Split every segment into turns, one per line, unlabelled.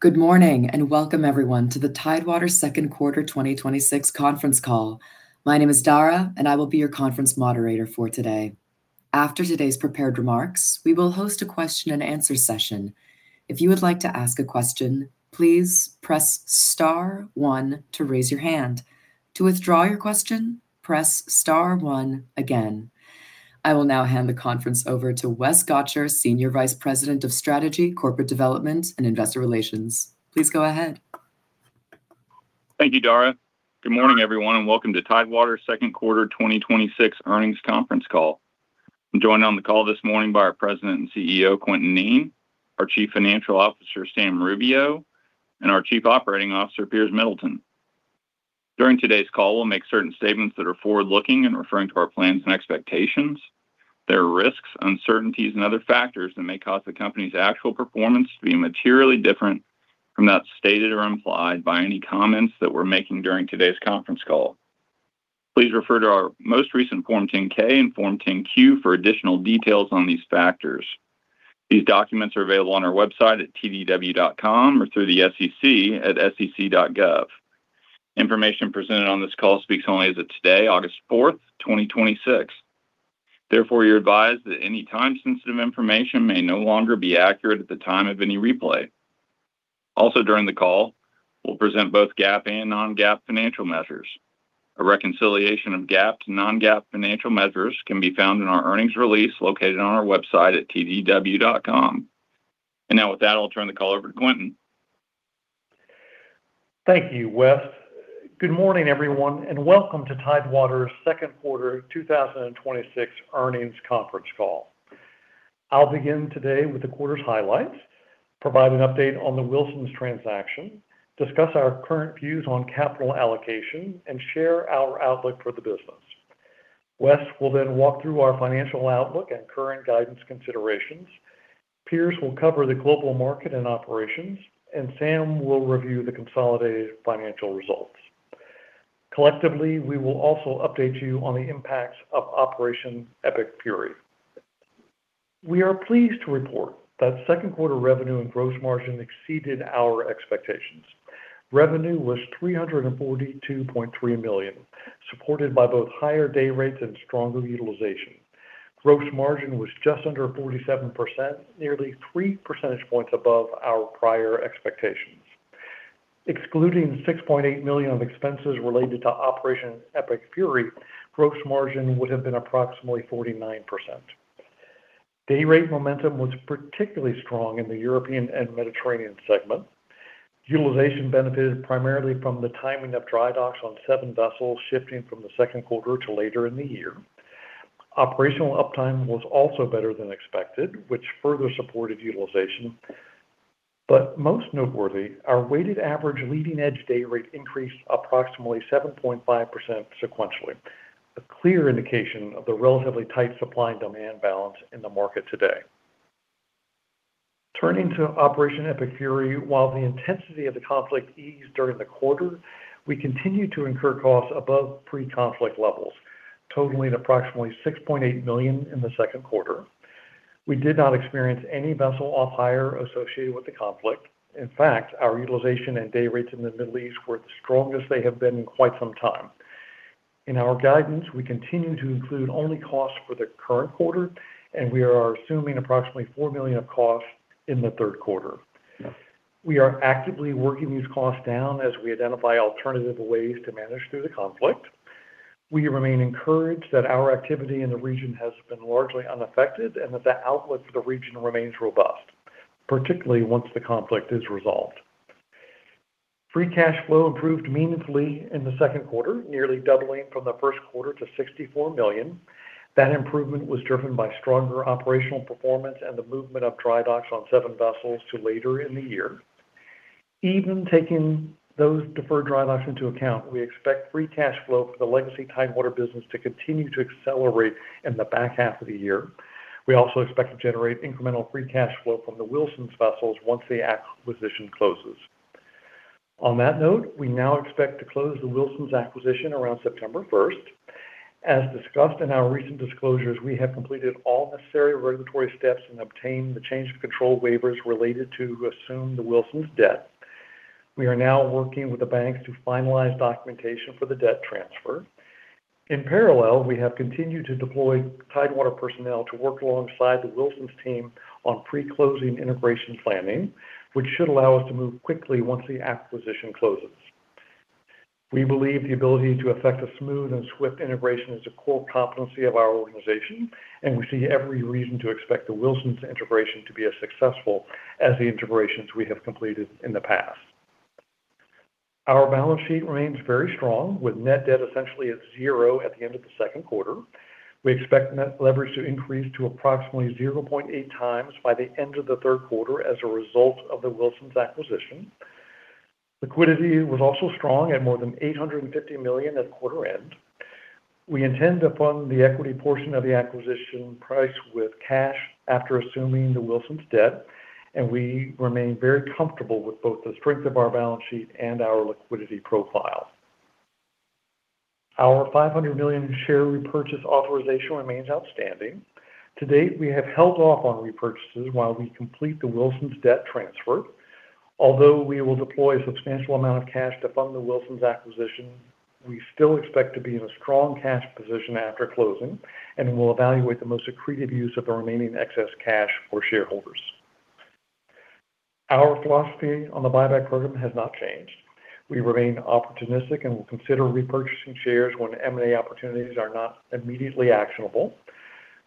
Good morning, and welcome everyone to the Tidewater second quarter 2026 conference call. My name is Dara, and I will be your conference moderator for today. After today's prepared remarks, we will host a question and answer session. If you would like to ask a question, please press star one to raise your hand. To withdraw your question, press star one again. I will now hand the conference over to West Gotcher, Senior Vice President of Strategy, Corporate Development, and Investor Relations. Please go ahead.
Thank you, Dara. Good morning, everyone, and welcome to Tidewater's second quarter 2026 earnings conference call. I'm joined on the call this morning by our President and CEO, Quintin Kneen, our Chief Financial Officer, Sam Rubio, and our Chief Operating Officer, Piers Middleton. During today's call, we'll make certain statements that are forward-looking in referring to our plans and expectations. There are risks, uncertainties, and other factors that may cause the company's actual performance to be materially different from that stated or implied by any comments that we're making during today's conference call. Please refer to our most recent Form 10-K and Form 10-Q for additional details on these factors. These documents are available on our website at tdw.com or through the SEC at sec.gov. Information presented on this call speaks only as of today, August 4th, 2026. Therefore, you're advised that any time-sensitive information may no longer be accurate at the time of any replay. Also during the call, we'll present both GAAP and non-GAAP financial measures. A reconciliation of GAAP to non-GAAP financial measures can be found in our earnings release located on our website at tdw.com. Now with that, I'll turn the call over to Quintin.
Thank you, West. Good morning, everyone, and welcome to Tidewater's second quarter 2026 earnings conference call. I'll begin today with the quarter's highlights, provide an update on the Wilson Sons transaction, discuss our current views on capital allocation, and share our outlook for the business. West will walk through our financial outlook and current guidance considerations. Piers will cover the global market and operations, and Sam will review the consolidated financial results. Collectively, we will also update you on the impacts of Operation Epic Fury. We are pleased to report that second quarter revenue and gross margin exceeded our expectations. Revenue was $342.3 million, supported by both higher day rates and stronger utilization. Gross margin was just under 47%, nearly 3 percentage points above our prior expectations. Excluding $6.8 million of expenses related to Operation Epic Fury, gross margin would have been approximately 49%. Day rate momentum was particularly strong in the European and Mediterranean segment. Utilization benefited primarily from the timing of dry docks on seven vessels shifting from the second quarter to later in the year. Operational uptime was also better than expected, which further supported utilization. Most noteworthy, our weighted average leading-edge day rate increased approximately 7.5% sequentially, a clear indication of the relatively tight supply and demand balance in the market today. Turning to Operation Epic Fury, while the intensity of the conflict eased during the quarter, we continued to incur costs above pre-conflict levels, totaling approximately $6.8 million in the second quarter. We did not experience any vessel off-hire associated with the conflict. In fact, our utilization and day rates in the Middle East were the strongest they have been in quite some time. In our guidance, we continue to include only costs for the current quarter. We are assuming approximately $4 million of costs in the third quarter. We are actively working these costs down as we identify alternative ways to manage through the conflict. We remain encouraged that our activity in the region has been largely unaffected and that the outlook for the region remains robust, particularly once the conflict is resolved. Free cash flow improved meaningfully in the second quarter, nearly doubling from the first quarter to $64 million. That improvement was driven by stronger operational performance and the movement of dry docks on seven vessels to later in the year. Even taking those deferred dry docks into account, we expect free cash flow for the legacy Tidewater business to continue to accelerate in the back half of the year. We also expect to generate incremental free cash flow from the Wilson's vessels once the acquisition closes. On that note, we now expect to close the Wilson's acquisition around September 1st. As discussed in our recent disclosures, we have completed all necessary regulatory steps and obtained the change of control waivers related to assume the Wilson's debt. We are now working with the banks to finalize documentation for the debt transfer. In parallel, we have continued to deploy Tidewater personnel to work alongside the Wilson's team on pre-closing integration planning, which should allow us to move quickly once the acquisition closes. We believe the ability to effect a smooth and swift integration is a core competency of our organization. We see every reason to expect the Wilson's integration to be as successful as the integrations we have completed in the past. Our balance sheet remains very strong, with net debt essentially at zero at the end of the second quarter. We expect net leverage to increase to approximately 0.8x by the end of the third quarter as a result of the Wilson's acquisition. Liquidity was also strong at more than $850 million at quarter end. We intend to fund the equity portion of the acquisition price with cash after assuming the Wilson's debt. We remain very comfortable with both the strength of our balance sheet and our liquidity profile. Our $500 million share repurchase authorization remains outstanding. To date, we have held off on repurchases while we complete the Wilson's debt transfer. Although we will deploy a substantial amount of cash to fund the Wilson's acquisition, we still expect to be in a strong cash position after closing, and will evaluate the most accretive use of our remaining excess cash for shareholders. Our philosophy on the buyback program has not changed. We remain opportunistic and will consider repurchasing shares when M&A opportunities are not immediately actionable.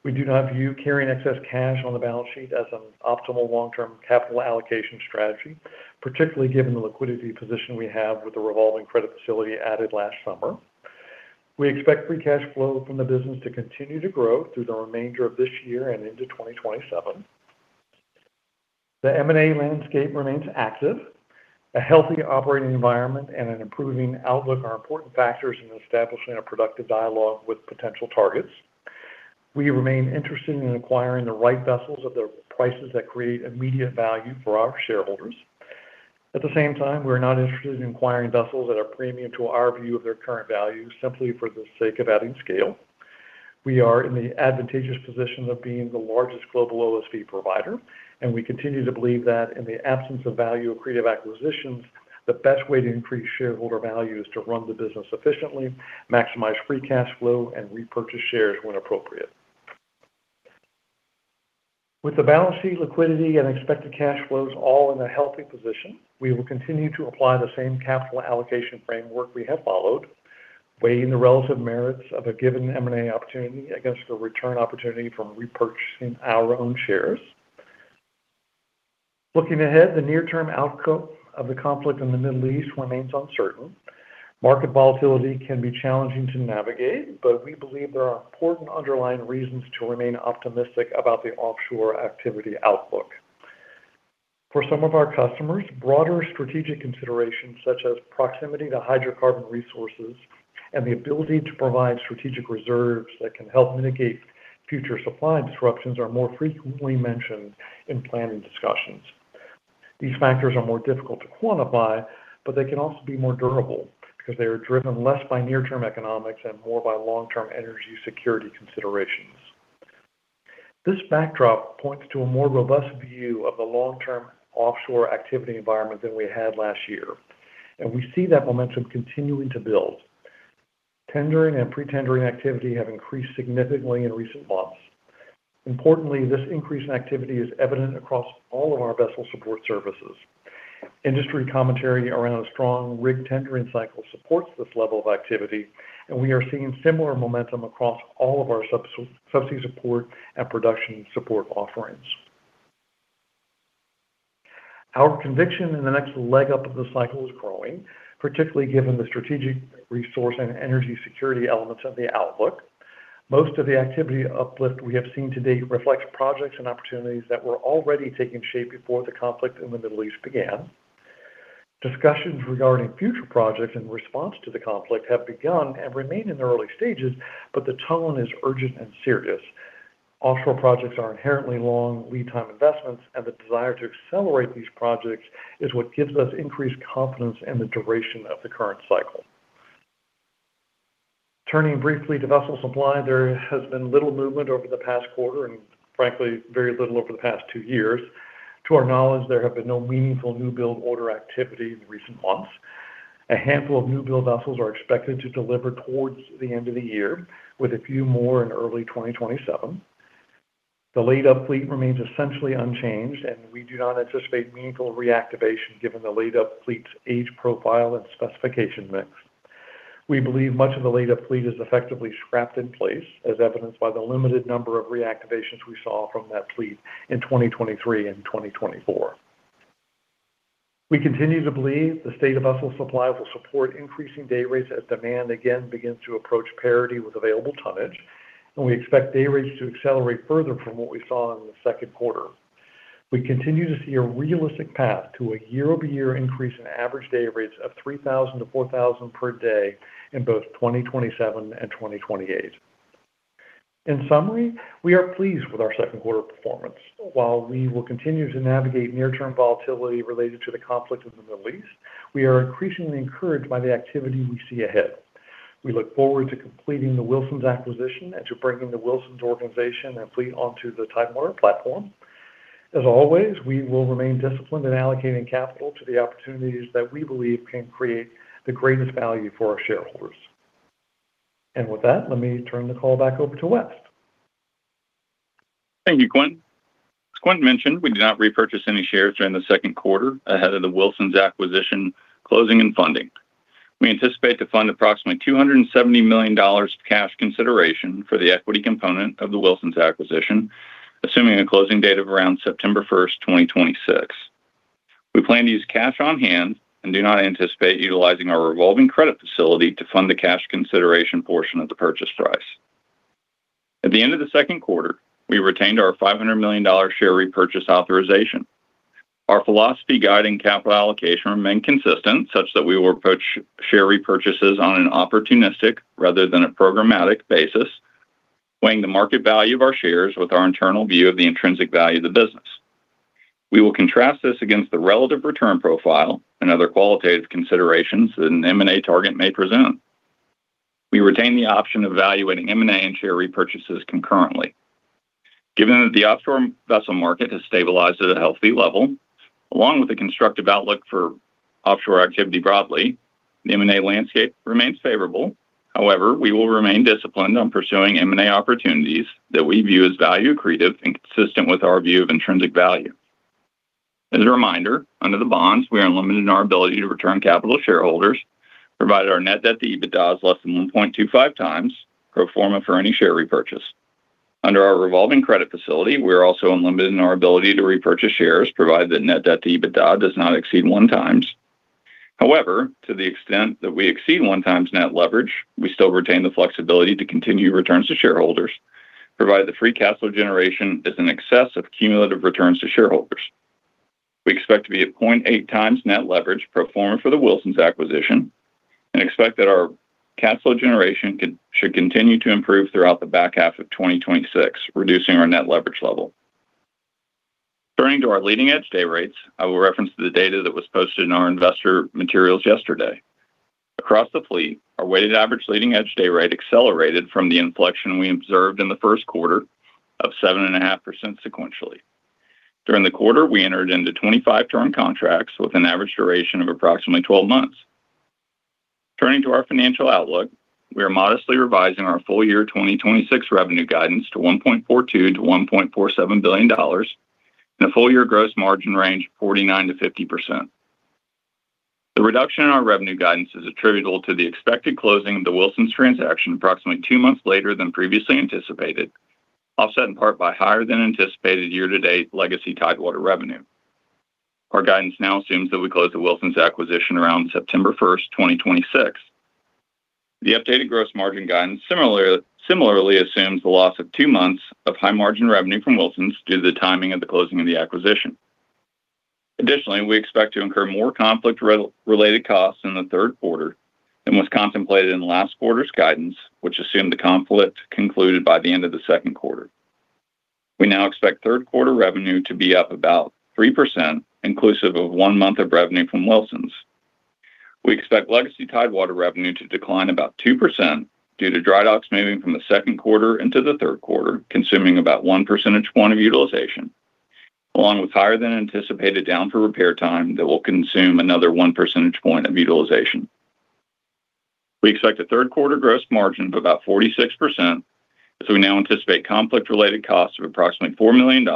We do not view carrying excess cash on the balance sheet as an optimal long-term capital allocation strategy, particularly given the liquidity position we have with the revolving credit facility added last summer. We expect free cash flow from the business to continue to grow through the remainder of this year and into 2027. The M&A landscape remains active. A healthy operating environment and an improving outlook are important factors in establishing a productive dialogue with potential targets. We remain interested in acquiring the right vessels at the prices that create immediate value for our shareholders. At the same time, we are not interested in acquiring vessels that are premium to our view of their current value simply for the sake of adding scale. We are in the advantageous position of being the largest global OSV provider, and we continue to believe that in the absence of value-accretive acquisitions, the best way to increase shareholder value is to run the business efficiently, maximize free cash flow, and repurchase shares when appropriate. With the balance sheet liquidity and expected cash flows all in a healthy position, we will continue to apply the same capital allocation framework we have followed, weighing the relative merits of a given M&A opportunity against the return opportunity from repurchasing our own shares. Looking ahead, the near-term outcome of the conflict in the Middle East remains uncertain. Market volatility can be challenging to navigate, but we believe there are important underlying reasons to remain optimistic about the offshore activity outlook. For some of our customers, broader strategic considerations such as proximity to hydrocarbon resources and the ability to provide strategic reserves that can help mitigate future supply disruptions are more frequently mentioned in planning discussions. These factors are more difficult to quantify, but they can also be more durable because they are driven less by near-term economics and more by long-term energy security considerations. This backdrop points to a more robust view of the long-term offshore activity environment than we had last year, and we see that momentum continuing to build. Tendering and pre-tendering activity have increased significantly in recent months. Importantly, this increase in activity is evident across all of our vessel support services. Industry commentary around a strong rig tendering cycle supports this level of activity, and we are seeing similar momentum across all of our subsea support and production support offerings. Our conviction in the next leg up of the cycle is growing, particularly given the strategic resource and energy security elements of the outlook. Most of the activity uplift we have seen to date reflects projects and opportunities that were already taking shape before the conflict in the Middle East began. Discussions regarding future projects in response to the conflict have begun and remain in the early stages, but the tone is urgent and serious. Offshore projects are inherently long lead time investments, and the desire to accelerate these projects is what gives us increased confidence in the duration of the current cycle. Turning briefly to vessel supply, there has been little movement over the past quarter and frankly, very little over the past two years. To our knowledge, there have been no meaningful new build order activity in recent months. A handful of new build vessels are expected to deliver towards the end of the year, with a few more in early 2027. The laid-up fleet remains essentially unchanged, and we do not anticipate meaningful reactivation given the laid-up fleet's age profile and specification mix. We believe much of the laid-up fleet is effectively scrapped in place, as evidenced by the limited number of reactivations we saw from that fleet in 2023 and 2024. We continue to believe the state of vessel supply will support increasing day rates as demand again begins to approach parity with available tonnage. We expect day rates to accelerate further from what we saw in the second quarter. We continue to see a realistic path to a year-over-year increase in average day rates of $3,000 to $4,000 per day in both 2027 and 2028. In summary, we are pleased with our second quarter performance. While we will continue to navigate near-term volatility related to the conflict in the Middle East, we are increasingly encouraged by the activity we see ahead. We look forward to completing the Wilson Sons acquisition and to bringing the Wilson Sons organization and fleet onto the Tidewater platform. Always, we will remain disciplined in allocating capital to the opportunities that we believe can create the greatest value for our shareholders. With that, let me turn the call back over to West.
Thank you, Quint. As Quint mentioned, we did not repurchase any shares during the second quarter ahead of the Wilson Sons acquisition closing and funding. We anticipate to fund approximately $270 million of cash consideration for the equity component of the Wilson Sons acquisition, assuming a closing date of around September 1st, 2026. We plan to use cash on hand and do not anticipate utilizing our revolving credit facility to fund the cash consideration portion of the purchase price. At the end of the second quarter, we retained our $500 million share repurchase authorization. Our philosophy guiding capital allocation remained consistent, such that we will approach share repurchases on an opportunistic rather than a programmatic basis, weighing the market value of our shares with our internal view of the intrinsic value of the business. We will contrast this against the relative return profile and other qualitative considerations that an M&A target may present. We retain the option of evaluating M&A and share repurchases concurrently. Given that the offshore vessel market has stabilized at a healthy level, along with the constructive outlook for offshore activity broadly, the M&A landscape remains favorable. However, we will remain disciplined on pursuing M&A opportunities that we view as value accretive and consistent with our view of intrinsic value. As a reminder, under the bonds, we are unlimited in our ability to return capital to shareholders, provided our net debt to EBITDA is less than 1.25x pro forma for any share repurchase. Under our revolving credit facility, we are also unlimited in our ability to repurchase shares, provided that net debt to EBITDA does not exceed one times. However, to the extent that we exceed one times net leverage, we still retain the flexibility to continue returns to shareholders, provided the free cash flow generation is in excess of cumulative returns to shareholders. We expect to be at 0.8x net leverage pro forma for the Wilsons acquisition and expect that our cash flow generation should continue to improve throughout the back half of 2026, reducing our net leverage level. Turning to our leading edge day rates, I will reference the data that was posted in our investor materials yesterday. Across the fleet, our weighted average leading edge day rate accelerated from the inflection we observed in the first quarter of 7.5% sequentially. During the quarter, we entered into 25 turn contracts with an average duration of approximately 12 months. Turning to our financial outlook, we are modestly revising our full year 2026 revenue guidance to $1.42 billion-$1.47 billion and a full-year gross margin range of 49%-50%. The reduction in our revenue guidance is attributable to the expected closing of the Wilsons transaction approximately two months later than previously anticipated, offset in part by higher than anticipated year-to-date legacy Tidewater revenue. Our guidance now assumes that we close the Wilsons acquisition around September 1st, 2026. The updated gross margin guidance similarly assumes the loss of two months of high-margin revenue from Wilsons due to the timing of the closing of the acquisition. Additionally, we expect to incur more conflict-related costs in the third quarter than was contemplated in last quarter's guidance, which assumed the conflict concluded by the end of the second quarter. We now expect third quarter revenue to be up about 3% inclusive of one month of revenue from Wilsons. We expect legacy Tidewater revenue to decline about 2% due to dry docks moving from the second quarter into the third quarter, consuming about one percentage point of utilization, along with higher than anticipated down for repair time that will consume another one percentage point of utilization. We expect a third quarter gross margin of about 46%, as we now anticipate conflict-related costs of approximately $4 million,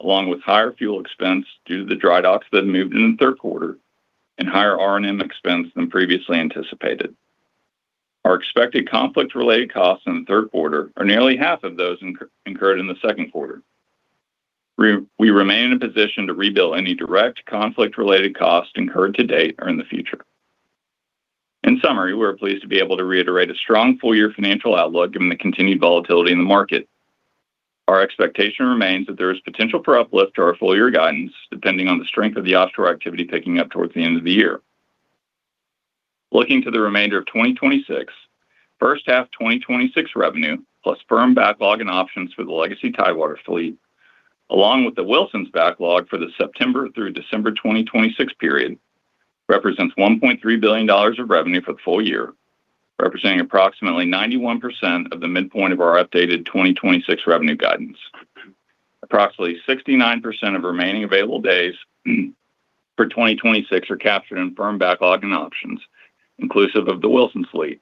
along with higher fuel expense due to the dry docks that moved in the third quarter and higher R&M expense than previously anticipated. Our expected conflict-related costs in the third quarter are nearly half of those incurred in the second quarter. We remain in a position to rebill any direct conflict-related costs incurred to date or in the future. In summary, we are pleased to be able to reiterate a strong full-year financial outlook given the continued volatility in the market. Our expectation remains that there is potential for uplift to our full-year guidance, depending on the strength of the offshore activity picking up towards the end of the year. Looking to the remainder of 2026, first half 2026 revenue, plus firm backlog and options for the legacy Tidewater fleet, along with the Wilsons backlog for the September through December 2026 period, represents $1.3 billion of revenue for the full-year, representing approximately 91% of the midpoint of our updated 2026 revenue guidance. Approximately 69% of remaining available days for 2026 are captured in firm backlog and options, inclusive of the Wilsons fleet.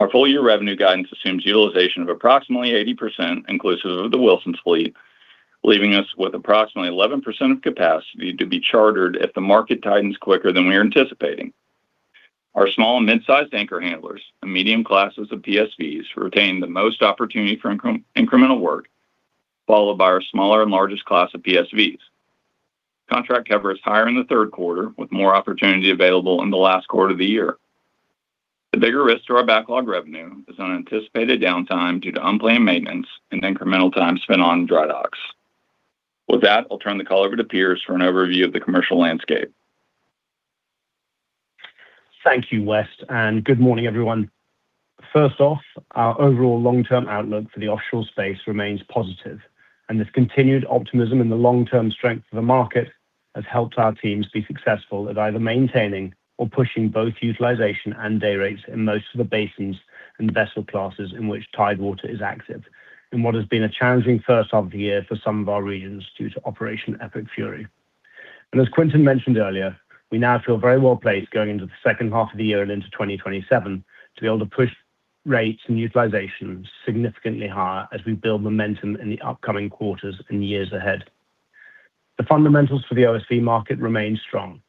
Our full-year revenue guidance assumes utilization of approximately 80% inclusive of the Wilsons fleet, leaving us with approximately 11% of capacity to be chartered if the market tightens quicker than we are anticipating. Our small and mid-sized anchor handlers and medium classes of PSVs retain the most opportunity for incremental work, followed by our smaller and largest class of PSVs. Contract cover is higher in the third quarter, with more opportunity available in the last quarter of the year. The bigger risk to our backlog revenue is unanticipated downtime due to unplanned maintenance and incremental time spent on dry docks. With that, I'll turn the call over to Piers for an overview of the commercial landscape.
Thank you, West, and good morning, everyone. First off, our overall long-term outlook for the offshore space remains positive, and this continued optimism in the long-term strength of the market has helped our teams be successful at either maintaining or pushing both utilization and day rates in most of the basins and vessel classes in which Tidewater is active in what has been a challenging first half of the year for some of our regions due to Operation Epic Fury. As Quintin mentioned earlier, we now feel very well-placed going into the second half of the year and into 2027 to be able to push rates and utilization significantly higher as we build momentum in the upcoming quarters and years ahead. The fundamentals for the OSV market remain strong.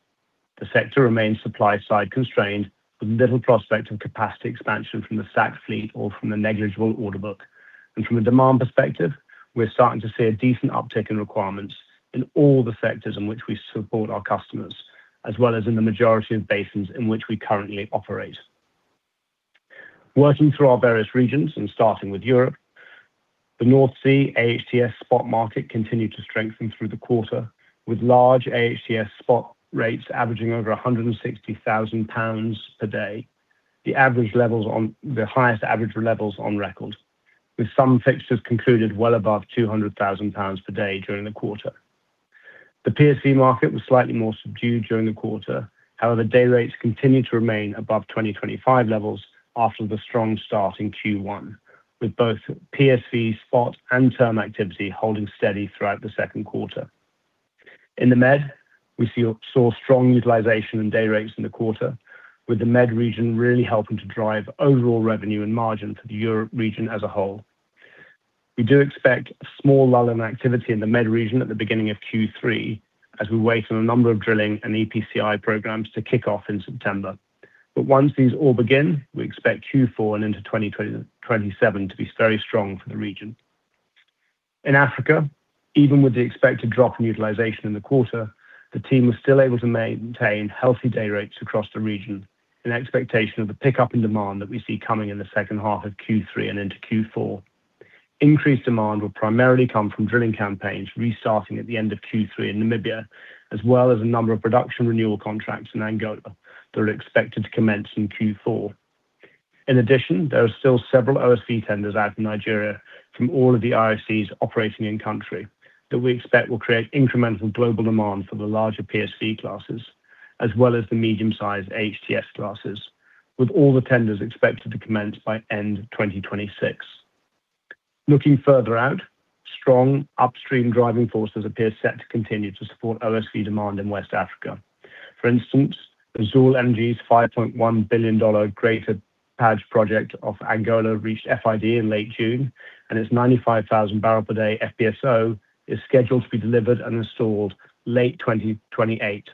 The sector remains supply-side constrained with little prospect of capacity expansion from the stacked fleet or from the negligible order book. From a demand perspective, we're starting to see a decent uptick in requirements in all the sectors in which we support our customers, as well as in the majority of basins in which we currently operate. Working through our various regions and starting with Europe, the North Sea AHTS spot market continued to strengthen through the quarter, with large AHTS spot rates averaging over 160,000 pounds per day. The highest average levels on record, with some fixtures concluded well above 200,000 pounds per day during the quarter. The PSV market was slightly more subdued during the quarter. However, day rates continue to remain above 2025 levels after the strong start in Q1, with both PSV spot and term activity holding steady throughout the second quarter. In the Med, we saw strong utilization and day rates in the quarter, with the Med region really helping to drive overall revenue and margin to the Europe region as a whole. We do expect a small lull in activity in the Med region at the beginning of Q3 as we wait on a number of drilling and EPCI programs to kick off in September. Once these all begin, we expect Q4 and into 2027 to be very strong for the region. In Africa, even with the expected drop in utilization in the quarter, the team was still able to maintain healthy day rates across the region in expectation of the pickup in demand that we see coming in the second half of Q3 and into Q4. Increased demand will primarily come from drilling campaigns restarting at the end of Q3 in Namibia, as well as a number of production renewal contracts in Angola that are expected to commence in Q4. In addition, there are still several OSV tenders out in Nigeria from all of the IOCs operating in country that we expect will create incremental global demand for the larger PSV classes, as well as the medium-sized AHTS classes, with all the tenders expected to commence by end of 2026. Looking further out, strong upstream driving forces appear set to continue to support OSV demand in West Africa. For instance, Azule Energy's $5.1 billion Greater PAJ project off Angola reached FID in late June, and its 95,000 barrel per day FPSO is scheduled to be delivered and installed late 2028.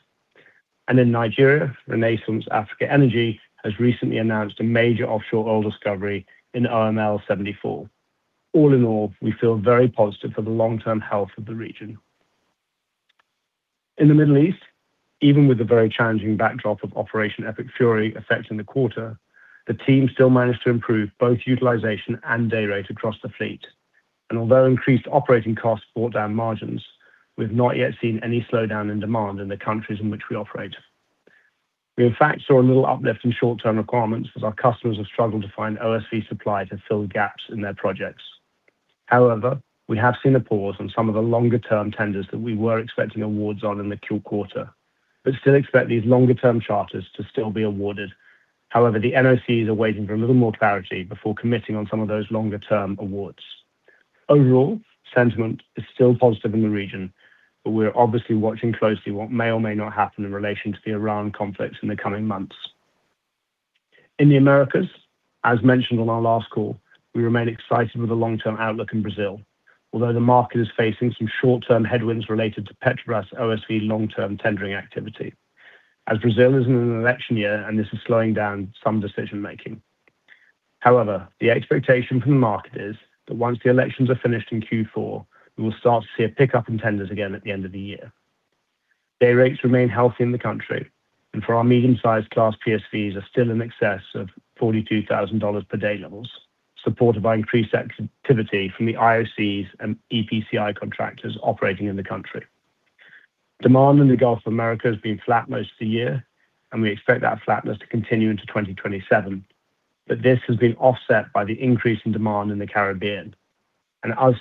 In Nigeria, Renaissance Africa Energy has recently announced a major offshore oil discovery in OML 74. All in all, we feel very positive for the long-term health of the region. In the Middle East, even with the very challenging backdrop of Operation Epic Fury affecting the quarter, the team still managed to improve both utilization and day rate across the fleet. Although increased operating costs brought down margins, we've not yet seen any slowdown in demand in the countries in which we operate. We in fact saw a little uplift in short-term requirements as our customers have struggled to find OSV supply to fill gaps in their projects. However, we have seen a pause on some of the longer-term tenders that we were expecting awards on in the quarter, still expect these longer-term charters to still be awarded. The NOCs are waiting for a little more clarity before committing on some of those longer-term awards. Sentiment is still positive in the region, but we're obviously watching closely what may or may not happen in relation to the Iran conflicts in the coming months. In the Americas, as mentioned on our last call, we remain excited with the long-term outlook in Brazil, although the market is facing some short-term headwinds related to Petrobras OSV long-term tendering activity, as Brazil is in an election year and this is slowing down some decision making. The expectation from the market is that once the elections are finished in Q4, we will start to see a pickup in tenders again at the end of the year. Day rates remain healthy in the country, for our medium-sized class PSVs are still in excess of $42,000 per day levels, supported by increased activity from the IOCs and EPCI contractors operating in the country. Demand in the Gulf of Mexico has been flat most of the year, we expect that flatness to continue into 2027. This has been offset by the increase in demand in the Caribbean, as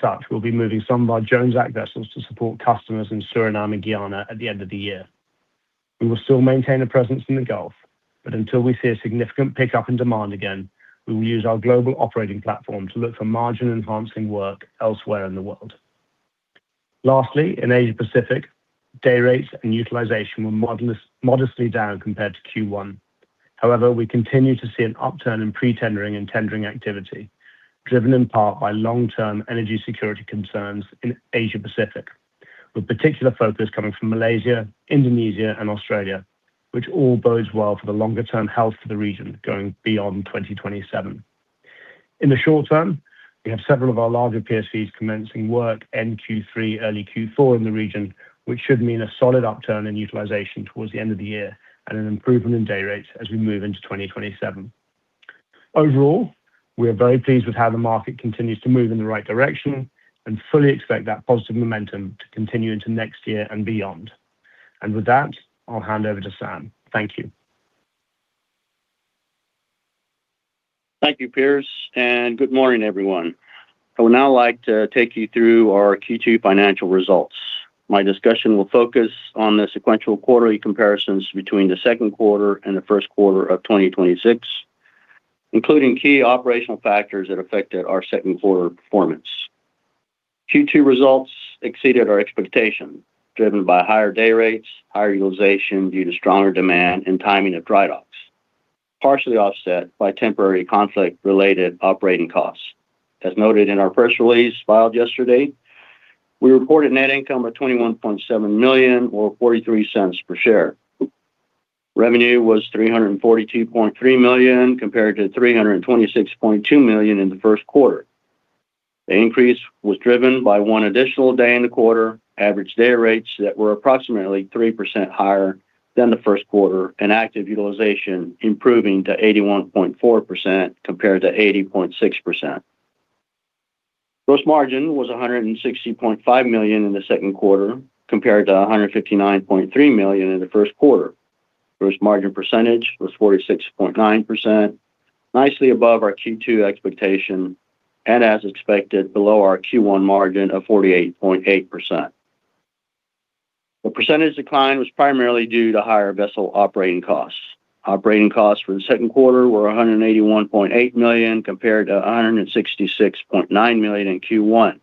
such, we'll be moving some of our Jones Act vessels to support customers in Suriname and Guyana at the end of the year. We will still maintain a presence in the Gulf, until we see a significant pickup in demand again, we will use our global operating platform to look for margin-enhancing work elsewhere in the world. In Asia Pacific, day rates and utilization were modestly down compared to Q1. We continue to see an upturn in pre-tendering and tendering activity, driven in part by long-term energy security concerns in Asia Pacific, with particular focus coming from Malaysia, Indonesia, and Australia, which all bodes well for the longer-term health of the region going beyond 2027. In the short term, we have several of our larger PSVs commencing work in Q3, early Q4 in the region, which should mean a solid upturn in utilization towards the end of the year and an improvement in day rates as we move into 2027. We are very pleased with how the market continues to move in the right direction and fully expect that positive momentum to continue into next year and beyond. With that, I'll hand over to Sam. Thank you.
Thank you, Piers, good morning, everyone. I would now like to take you through our Q2 financial results. My discussion will focus on the sequential quarterly comparisons between the second quarter and the first quarter of 2026, including key operational factors that affected our second quarter performance. Q2 results exceeded our expectation, driven by higher day rates, higher utilization due to stronger demand, and timing of dry docks, partially offset by temporary conflict-related operating costs. As noted in our press release filed yesterday, we reported net income of $21.7 million or $0.43 per share. Revenue was $342.3 million compared to $326.2 million in the first quarter. The increase was driven by one additional day in the quarter, average day rates that were approximately 3% higher than the first quarter, and active utilization improving to 81.4% compared to 80.6%. Gross margin was $160.5 million in the second quarter compared to $159.3 million in the first quarter. Gross margin percentage was 46.9%, nicely above our Q2 expectation, and as expected, below our Q1 margin of 48.8%. The percentage decline was primarily due to higher vessel operating costs. Operating costs for the second quarter were $181.8 million compared to $166.9 million in Q1.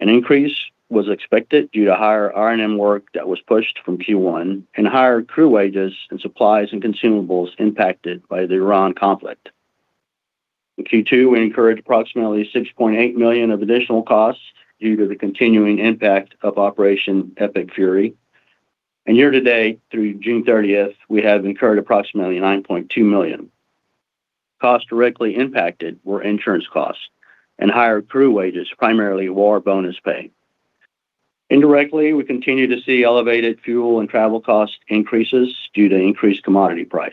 An increase was expected due to higher R&M work that was pushed from Q1 and higher crew wages and supplies and consumables impacted by the Iran conflict. In Q2, we incurred approximately $6.8 million of additional costs due to the continuing impact of Operation Epic Fury. Year to date, through June 30th, we have incurred approximately $9.2 million. Costs directly impacted were insurance costs and higher crew wages, primarily war bonus pay. Indirectly, we continue to see elevated fuel and travel cost increases due to increased commodity price.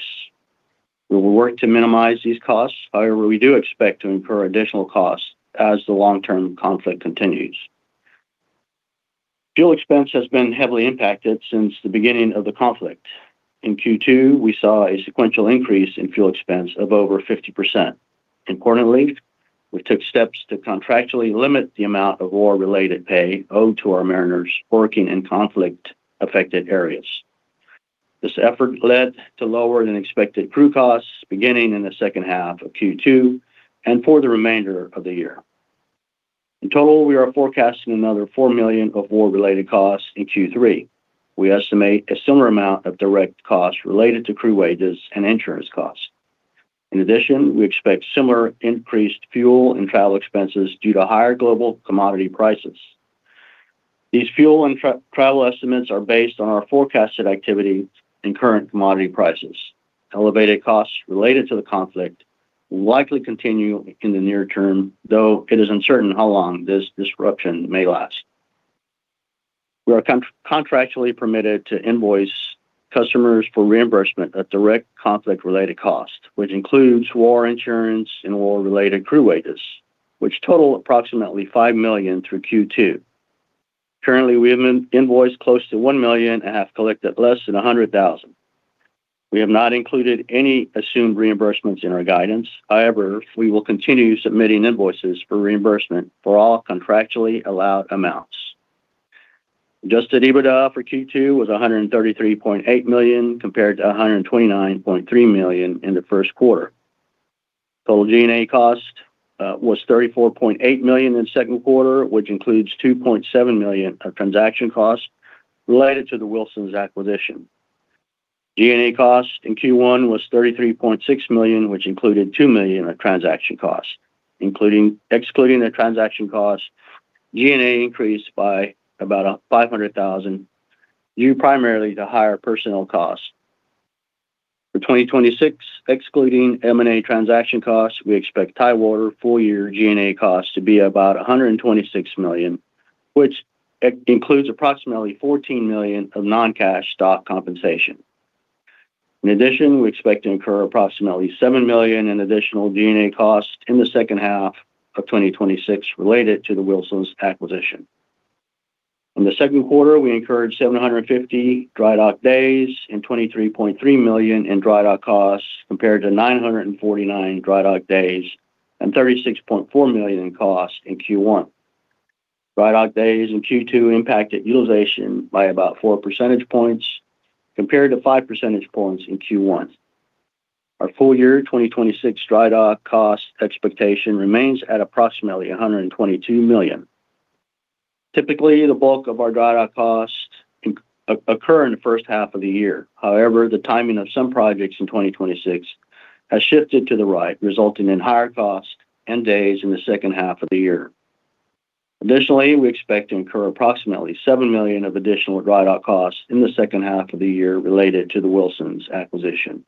We will work to minimize these costs. We do expect to incur additional costs as the long-term conflict continues. Fuel expense has been heavily impacted since the beginning of the conflict. In Q2, we saw a sequential increase in fuel expense of over 50%. Importantly, we took steps to contractually limit the amount of war-related pay owed to our mariners working in conflict-affected areas. This effort led to lower-than-expected crew costs beginning in the second half of Q2 and for the remainder of the year. In total, we are forecasting another $4 million of war-related costs in Q3. We estimate a similar amount of direct costs related to crew wages and insurance costs. We expect similar increased fuel and travel expenses due to higher global commodity prices. These fuel and travel estimates are based on our forecasted activity and current commodity prices. Elevated costs related to the conflict will likely continue in the near term, though it is uncertain how long this disruption may last. We are contractually permitted to invoice customers for reimbursement at direct conflict-related cost, which includes war insurance and war-related crew wages, which total approximately $5 million through Q2. Currently, we have invoiced close to $1 million and have collected less than $100,000. We have not included any assumed reimbursements in our guidance. We will continue submitting invoices for reimbursement for all contractually allowed amounts. Adjusted EBITDA for Q2 was $133.8 million compared to $129.3 million in the first quarter. Total G&A cost was $34.8 million in the second quarter, which includes $2.7 million of transaction costs related to the Wilson's acquisition. G&A cost in Q1 was $33.6 million, which included $2 million of transaction costs. Excluding the transaction costs, G&A increased by about $500,000, due primarily to higher personnel costs. For 2026, excluding M&A transaction costs, we expect Tidewater full-year G&A costs to be about $126 million, which includes approximately $14 million of non-cash stock compensation. We expect to incur approximately $7 million in additional G&A costs in the second half of 2026 related to the Wilson's acquisition. In the second quarter, we incurred 750 dry dock days and $23.3 million in dry dock costs compared to 949 dry dock days and $36.4 million in costs in Q1. Dry dock days in Q2 impacted utilization by about 4 percentage points compared to 5 percentage points in Q1. Our full-year 2026 dry dock cost expectation remains at approximately $122 million. Typically, the bulk of our dry dock costs occur in the first half of the year. However, the timing of some projects in 2026 has shifted to the right, resulting in higher costs and days in the second half of the year. Additionally, we expect to incur approximately $7 million of additional dry dock costs in the second half of the year related to the Wilson's acquisition.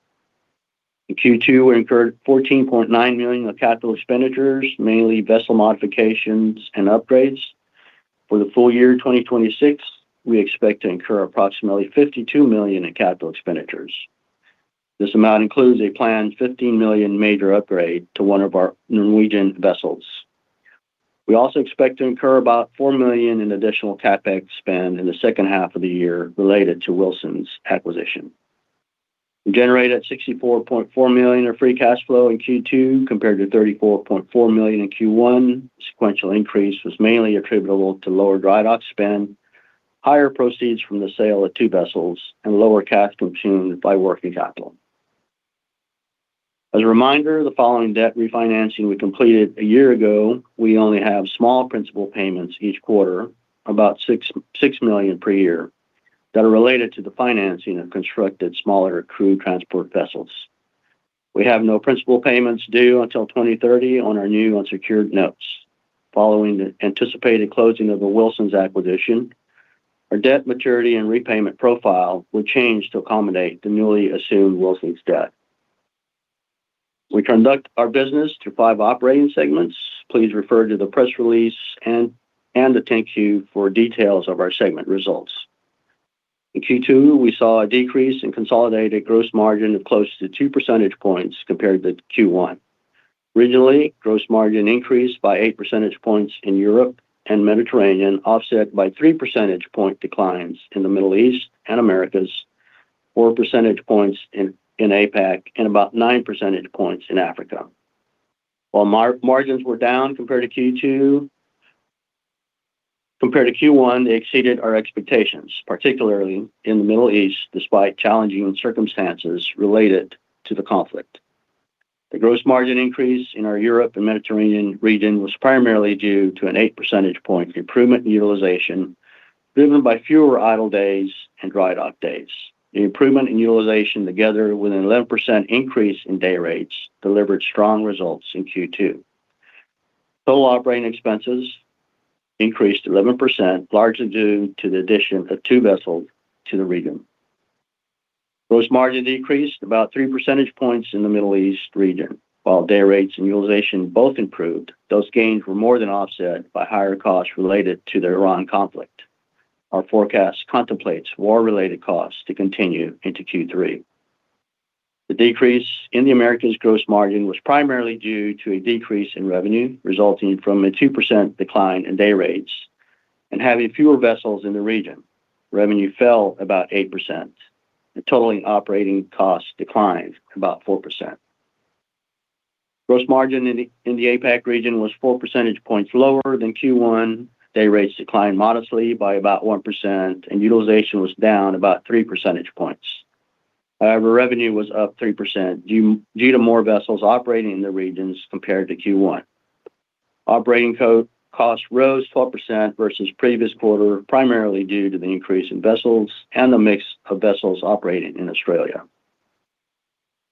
In Q2, we incurred $14.9 million of capital expenditures, mainly vessel modifications and upgrades. For the full year 2026, we expect to incur approximately $52 million in capital expenditures. This amount includes a planned $15 million major upgrade to one of our Norwegian vessels. We also expect to incur about $4 million in additional CapEx spend in the second half of the year related to Wilson's acquisition. We generated $64.4 million of free cash flow in Q2 compared to $34.4 million in Q1. Sequential increase was mainly attributable to lower dry dock spend, higher proceeds from the sale of two vessels, and lower cash consumed by working capital. As a reminder, the following debt refinancing we completed a year ago, we only have small principal payments each quarter, about $6 million per year, that are related to the financing of constructed smaller crude transport vessels. We have no principal payments due until 2030 on our new unsecured notes. Following the anticipated closing of the Wilson's acquisition, our debt maturity and repayment profile will change to accommodate the newly assumed Wilson's debt. We conduct our business through five operating segments. Please refer to the press release and the thank you for details of our segment results. In Q2, we saw a decrease in consolidated gross margin of close to 2 percentage points compared to Q1. Regionally, gross margin increased by 8 percentage points in Europe and Mediterranean, offset by three percentage point declines in the Middle East and Americas, 4 percentage points in APAC, and about 9 percentage points in Africa. While margins were down compared to Q1, they exceeded our expectations, particularly in the Middle East, despite challenging circumstances related to the conflict. The gross margin increase in our Europe and Mediterranean region was primarily due to an eight percentage point improvement in utilization, driven by fewer idle days and dry dock days. The improvement in utilization together with an 11% increase in day rates delivered strong results in Q2. Total operating expenses increased 11%, largely due to the addition of two vessels to the region. Gross margin decreased about 3 percentage points in the Middle East region. While day rates and utilization both improved, those gains were more than offset by higher costs related to the Iran conflict. Our forecast contemplates war-related costs to continue into Q3. The decrease in the Americas gross margin was primarily due to a decrease in revenue resulting from a 2% decline in day rates and having fewer vessels in the region. Revenue fell about 8%, and total operating costs declined about 4%. Gross margin in the APAC region was 4 percentage points lower than Q1. Day rates declined modestly by about 1%, and utilization was down about 3 percentage points. Revenue was up 3% due to more vessels operating in the regions compared to Q1. Operating costs rose 12% versus the previous quarter, primarily due to the increase in vessels and the mix of vessels operating in Australia.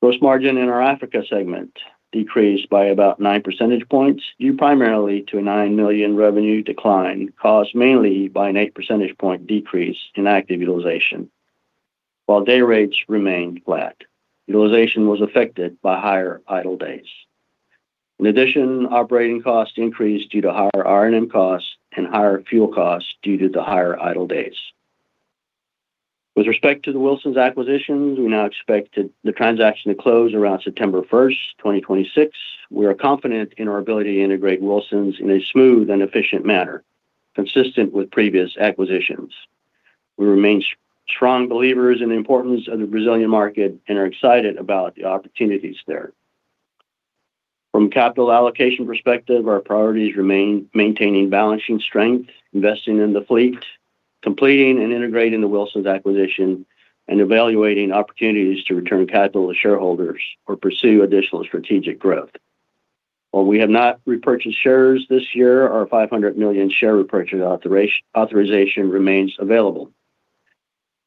Gross margin in our Africa segment decreased by about 9 percentage points, due primarily to a $9 million revenue decline caused mainly by an eight percentage point decrease in active utilization, while day rates remained flat. Utilization was affected by higher idle days. In addition, operating costs increased due to higher R&M costs and higher fuel costs due to the higher idle days. With respect to the Wilson's acquisitions, we now expect the transaction to close around September 1st, 2026. We are confident in our ability to integrate Wilson's in a smooth and efficient manner, consistent with previous acquisitions. We remain strong believers in the importance of the Brazilian market and are excited about the opportunities there. From a capital allocation perspective, our priorities remain maintaining balancing strength, investing in the fleet, completing and integrating the Wilson's acquisition, and evaluating opportunities to return capital to shareholders or pursue additional strategic growth. While we have not repurchased shares this year, our $500 million share repurchase authorization remains available.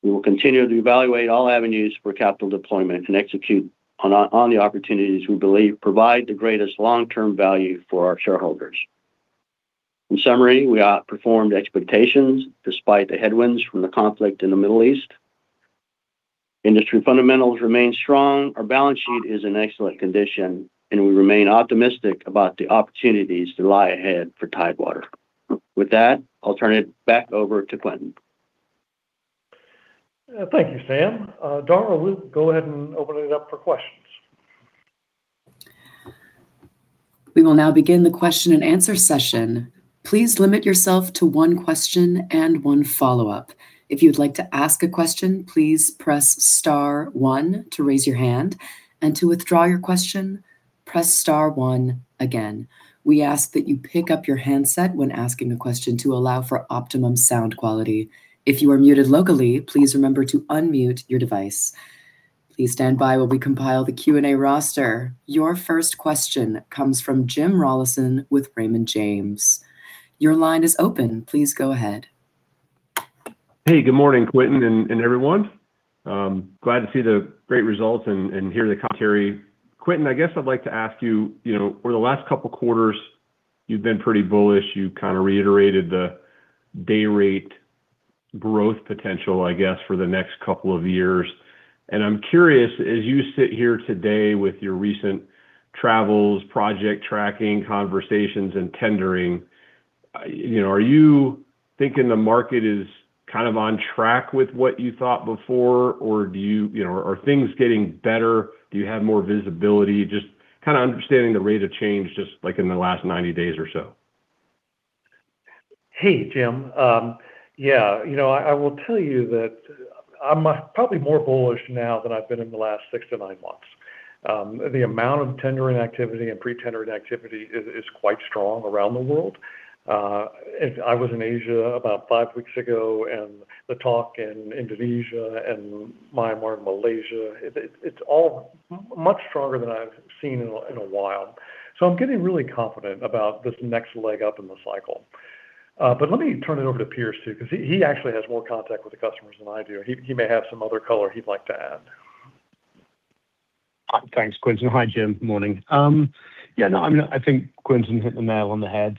We will continue to evaluate all avenues for capital deployment and execute on the opportunities we believe provide the greatest long-term value for our shareholders. In summary, we outperformed expectations despite the headwinds from the conflict in the Middle East. Industry fundamentals remain strong. Our balance sheet is in excellent condition, and we remain optimistic about the opportunities that lie ahead for Tidewater. With that, I'll turn it back over to Quintin.
Thank you, Sam. Dara, we'll go ahead and open it up for questions.
We will now begin the question and answer session. Please limit yourself to one question and one follow-up. If you'd like to ask a question, please press star one to raise your hand, and to withdraw your question, press star one again. We ask that you pick up your handset when asking a question to allow for optimum sound quality. If you are muted locally, please remember to unmute your device. Please stand by while we compile the Q&A roster. Your first question comes from Jim Rollyson with Raymond James. Your line is open. Please go ahead.
Hey, good morning, Quintin and everyone. Glad to see the great results and hear the commentary. Quintin, I guess I'd like to ask you, over the last couple of quarters, you've been pretty bullish. You kind of reiterated the day rate growth potential, I guess, for the next couple of years. I'm curious, as you sit here today with your recent travels, project tracking, conversations, and tendering, are you thinking the market is kind of on track with what you thought before? Are things getting better? Do you have more visibility? Just kind of understanding the rate of change just like in the last 90 days or so.
Hey, Jim. Yeah, I will tell you that I'm probably more bullish now than I've been in the last six to nine months. The amount of tendering activity and pre-tendering activity is quite strong around the world. I was in Asia about five weeks ago. The talk in Indonesia and Myanmar and Malaysia, it's all much stronger than I've seen in a while. I'm getting really confident about this next leg up in the cycle. Let me turn it over to Piers too, because he actually has more contact with the customers than I do. He may have some other color he'd like to add.
Thanks, Quintin. Hi, Jim. Morning. I think Quintin hit the nail on the head.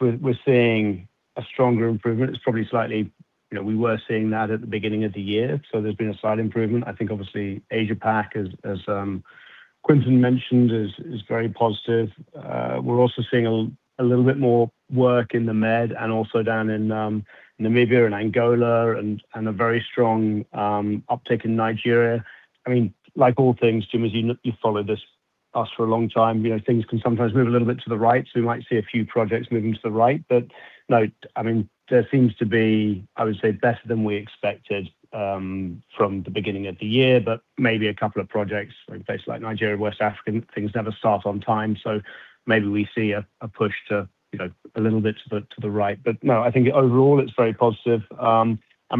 We're seeing a stronger improvement. We were seeing that at the beginning of the year. There's been a slight improvement. I think obviously Asia Pac has, Quintin mentioned is very positive. We're also seeing a little bit more work in the Med and also down in Namibia and Angola and a very strong uptick in Nigeria. Like all things, Jim, as you've followed us for a long time, things can sometimes move a little bit to the right. We might see a few projects moving to the right. There seems to be, I would say, better than we expected from the beginning of the year. Maybe a couple of projects in places like Nigeria, West African, things never start on time. Maybe we see a push a little bit to the right. I think overall it's very positive.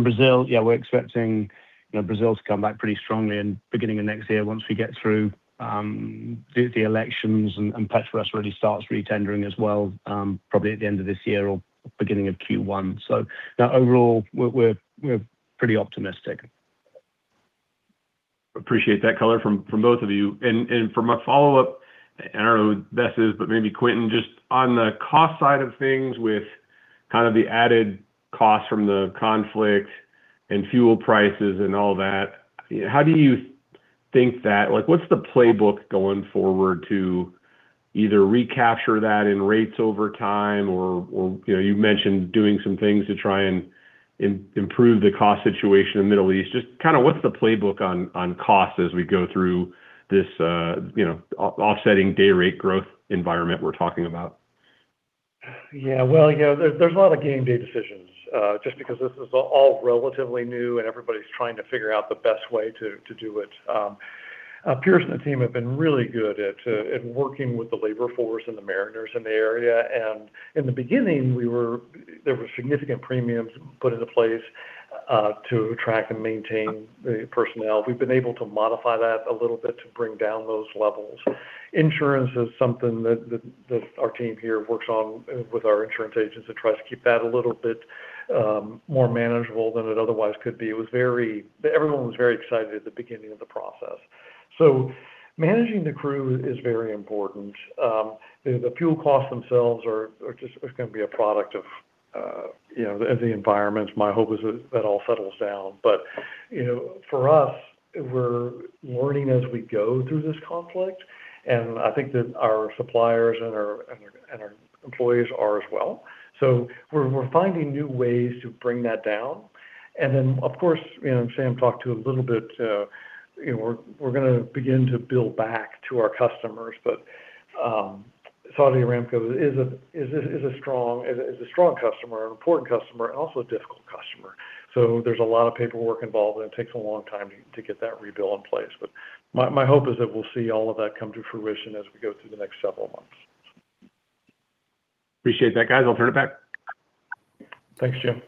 Brazil, yeah, we're expecting Brazil to come back pretty strongly in the beginning of next year once we get through the elections and Petrobras really starts re-tendering as well, probably at the end of this year or beginning of Q1. No, overall, we're pretty optimistic.
Appreciate that color from both of you. For my follow-up, I don't know who the best is, but maybe Quintin, just on the cost side of things with kind of the added cost from the conflict and fuel prices and all that, what's the playbook going forward to either recapture that in rates over time or, you've mentioned doing some things to try and improve the cost situation in the Middle East. What's the playbook on costs as we go through this offsetting day rate growth environment we're talking about?
Yeah. There's a lot of game day decisions, just because this is all relatively new and everybody's trying to figure out the best way to do it. Piers and the team have been really good at working with the labor force and the mariners in the area. In the beginning, there were significant premiums put into place to attract and maintain the personnel. We've been able to modify that a little bit to bring down those levels. Insurance is something that our team here works on with our insurance agents to try to keep that a little bit more manageable than it otherwise could be. Everyone was very excited at the beginning of the process. Managing the crew is very important. The fuel costs themselves are just going to be a product of the environment. My hope is that all settles down. For us, we're learning as we go through this conflict, and I think that our suppliers and our employees are as well. We're finding new ways to bring that down. Then, of course, Sam talked to a little bit, we're going to begin to bill back to our customers. Saudi Aramco is a strong customer, an important customer, and also a difficult customer. There's a lot of paperwork involved, and it takes a long time to get that rebuild in place. My hope is that we'll see all of that come to fruition as we go through the next several months.
Appreciate that, guys. I'll turn it back.
Thanks, Jim.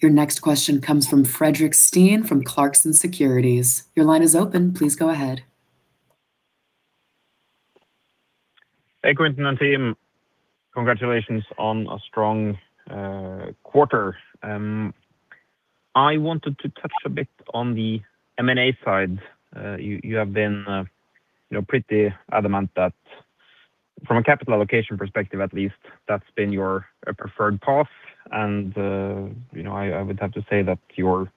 Your next question comes from Fredrik Stene from Clarksons Securities. Your line is open. Please go ahead.
Hey, Quintin and team. Congratulations on a strong quarter. I wanted to touch a bit on the M&A side. You have been pretty adamant that from a capital allocation perspective, at least, that's been your preferred path. I would have to say that your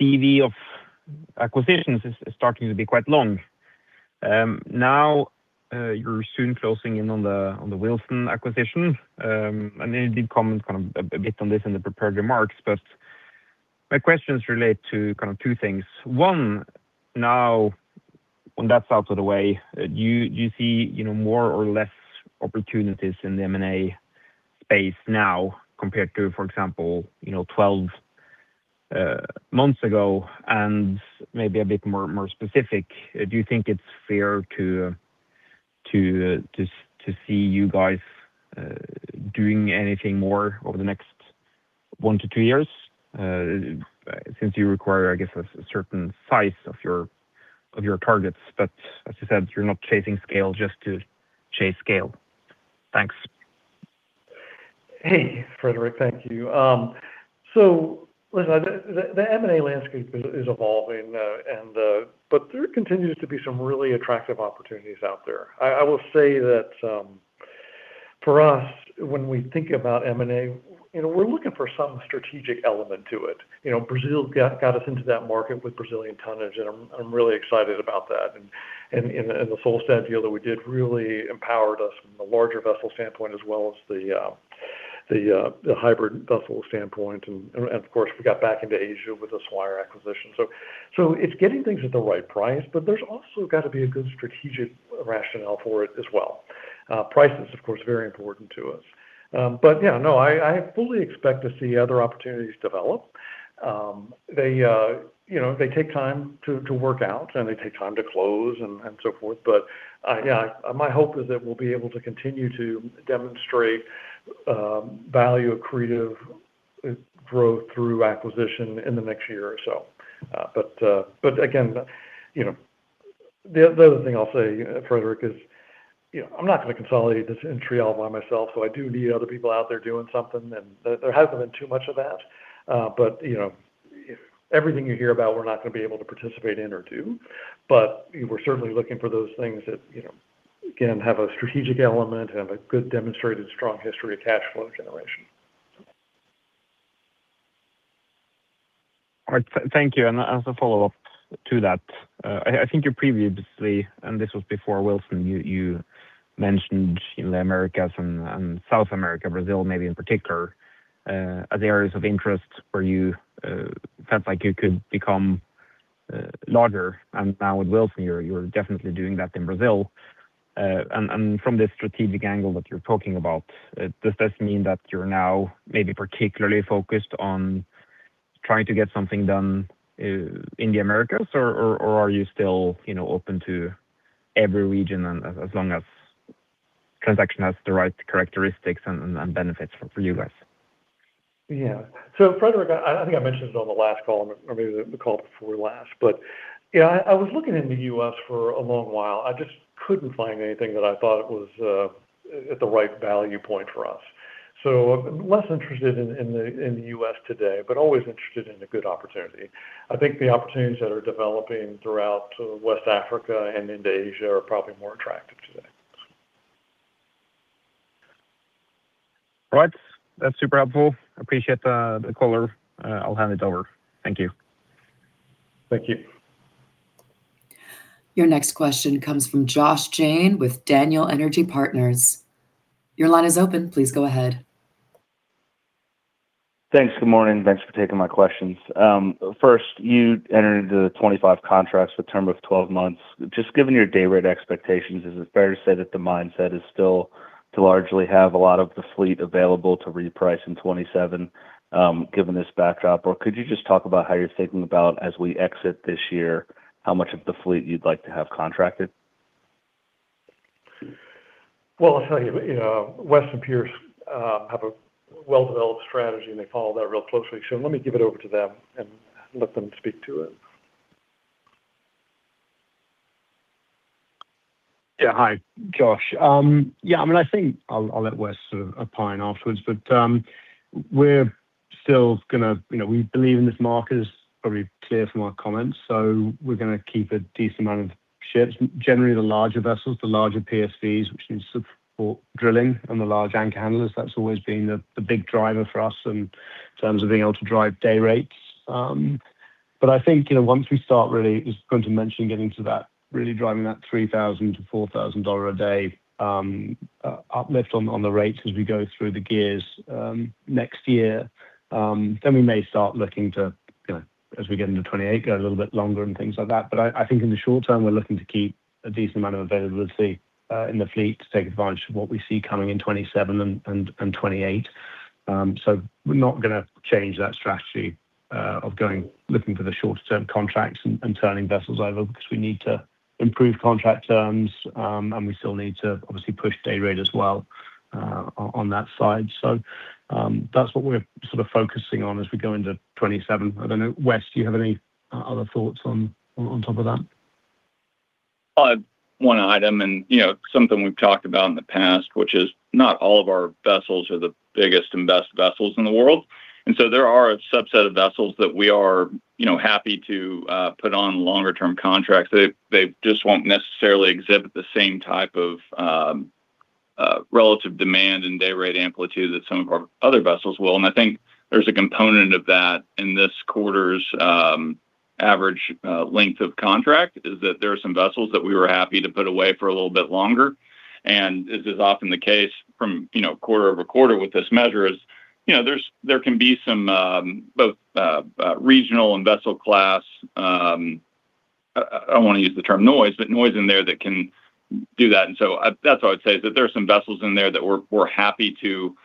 CV of acquisitions is starting to be quite long. Now, you're soon closing in on the Wilson acquisition. You did comment kind of a bit on this in the prepared remarks, but my questions relate to kind of two things. One, now when that's out of the way, do you see more or less opportunities in the M&A space now compared to, for example, 12 months ago? Maybe a bit more specific, do you think it's fair to see you guys doing anything more over the next one to two years? Since you require, I guess, a certain size of your targets, but as you said, you're not chasing scale just to chase scale. Thanks.
Hey, Fredrik. Thank you. Listen, the M&A landscape is evolving, but there continues to be some really attractive opportunities out there. I will say that for us, when we think about M&A, we're looking for some strategic element to it. Brazil got us into that market with Brazilian tonnage, and I'm really excited about that. The Solstad deal that we did really empowered us from the larger vessel standpoint as well as the hybrid vessel standpoint. Of course, we got back into Asia with the Swire acquisition. It's getting things at the right price, but there's also got to be a good strategic rationale for it as well. Price is, of course, very important to us. Yeah, no, I fully expect to see other opportunities develop. They take time to work out, and they take time to close and so forth. Yeah, my hope is that we'll be able to continue to demonstrate value-accretive growth through acquisition in the next year or so. Again, the other thing I'll say, Fredrik, is I'm not going to consolidate this entry all by myself, so I do need other people out there doing something. There hasn't been too much of that. Everything you hear about, we're not going to be able to participate in or do. We're certainly looking for those things that, again, have a strategic element, have a good demonstrated strong history of cash flow generation
All right. Thank you. As a follow-up to that, I think you previously, and this was before Wilson, you mentioned the Americas and South America, Brazil maybe in particular, as areas of interest where you felt like you could become larger. Now with Wilson, you're definitely doing that in Brazil. From the strategic angle that you're talking about, does this mean that you're now maybe particularly focused on trying to get something done in the Americas? Are you still open to every region as long as transaction has the right characteristics and benefits for you guys?
Yeah. Fredrik, I think I mentioned it on the last call, or maybe the call before last, but yeah, I was looking in the U.S. for a long while. I just couldn't find anything that I thought was at the right value point for us. I'm less interested in the U.S. today, but always interested in a good opportunity. I think the opportunities that are developing throughout West Africa and into Asia are probably more attractive today.
Right. That's super helpful. Appreciate the color. I'll hand it over. Thank you.
Thank you.
Your next question comes from Josh Jayne with Daniel Energy Partners. Your line is open. Please go ahead.
Thanks. Good morning. Thanks for taking my questions. First, you entered into 25 contracts with a term of 12 months. Just given your day rate expectations, is it fair to say that the mindset is still to largely have a lot of the fleet available to reprice in 2027, given this backdrop? Could you just talk about how you're thinking about as we exit this year, how much of the fleet you'd like to have contracted?
Well, I'll tell you, West and Piers have a well-developed strategy, and they follow that real closely. Let me give it over to them and let them speak to it.
Yeah. Hi, Josh. Yeah, I think I'll let West sort of opine afterwards. We believe in this market, as probably clear from our comments. We're going to keep a decent amount of ships. Generally the larger vessels, the larger PSVs, which means support drilling and the large anchor handlers, that's always been the big driver for us in terms of being able to drive day rates. I think, once we start really, as Quintin mentioned, getting to that really driving that $3,000-$4,000 a day uplift on the rates as we go through the gears next year, we may start looking to, as we get into 2028, go a little bit longer and things like that. I think in the short term, we're looking to keep a decent amount of availability in the fleet to take advantage of what we see coming in 2027 and 2028. We're not going to change that strategy of looking for the shorter-term contracts and turning vessels over because we need to improve contract terms. We still need to obviously push day rate as well on that side. That's what we're focusing on as we go into 2027. I don't know, West, do you have any other thoughts on top of that?
One item, something we've talked about in the past, which is not all of our vessels are the biggest and best vessels in the world. There are a subset of vessels that we are happy to put on longer-term contracts. They just won't necessarily exhibit the same type of relative demand and day rate amplitude that some of our other vessels will. I think there's a component of that in this quarter's average length of contract, is that there are some vessels that we were happy to put away for a little bit longer. As is often the case from quarter-over-quarter with this measure is, there can be some both regional and vessel class, I don't want to use the term noise, but noise in there that can do that. That's what I'd say, is that there are some vessels in there that we're happy to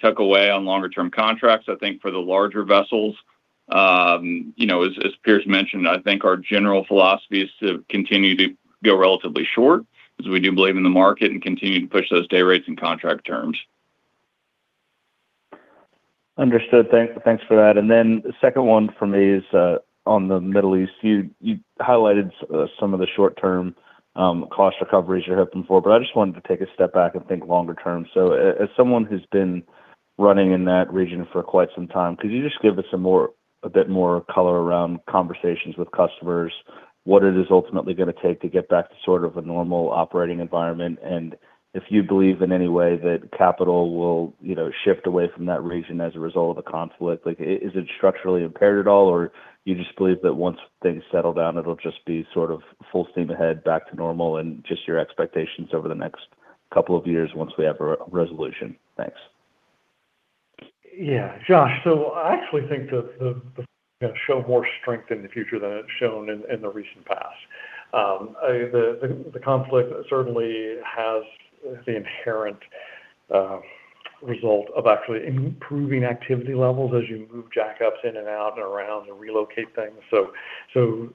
tuck away on longer-term contracts. I think for the larger vessels, as Piers mentioned, I think our general philosophy is to continue to go relatively short because we do believe in the market and continue to push those day rates and contract terms.
Understood. Thanks for that. The second one from me is on the Middle East. You highlighted some of the short-term cost recoveries you're hoping for, I just wanted to take a step back and think longer-term. As someone who's been running in that region for quite some time, could you just give us a bit more color around conversations with customers, what it is ultimately going to take to get back to sort of a normal operating environment, and if you believe in any way that capital will shift away from that region as a result of a conflict? Is it structurally impaired at all? You just believe that once things settle down, it'll just be full steam ahead back to normal and just your expectations over the next couple of years once we have a resolution? Thanks.
Josh, I actually think that the conflict is going to show more strength in the future than it's shown in the recent past. The conflict certainly has the inherent result of actually improving activity levels as you move jackups in and out and around and relocate things. In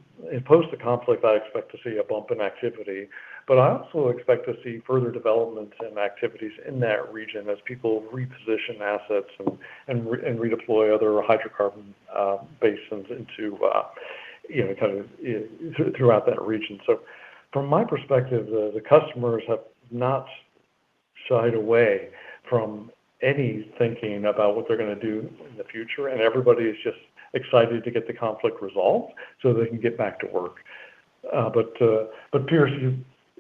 post the conflict, I expect to see a bump in activity. I also expect to see further developments in activities in that region as people reposition assets and redeploy other hydrocarbon basins throughout that region. From my perspective, the customers have not shied away from any thinking about what they're going to do in the future. Everybody is just excited to get the conflict resolved so they can get back to work. Piers,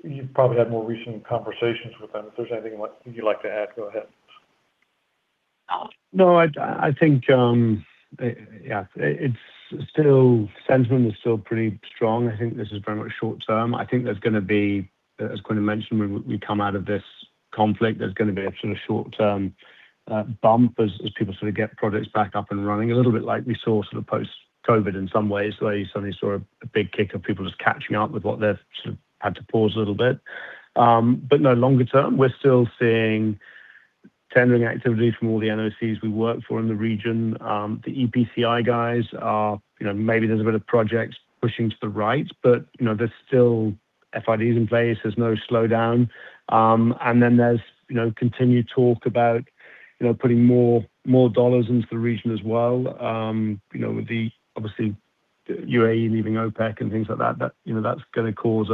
you've probably had more recent conversations with them. If there's anything you'd like to add, go ahead.
No, I think sentiment is still pretty strong. I think this is very much short term. I think there's going to be, as Quintin mentioned, when we come out of this conflict, there's going to be a sort of short-term bump as people sort of get projects back up and running, a little bit like we saw sort of post-COVID in some ways, where you suddenly saw a big kick of people just catching up with what they've sort of had to pause a little bit. No, longer term, we're still seeing tendering activity from all the NOCs we work for in the region. The EPCI guys are, maybe there's a bit of projects pushing to the right, but there's still FIDs in place. There's no slowdown. There's continued talk about putting more dollars into the region as well. Obviously, U.A.E. leaving OPEC and things like that's going to cause,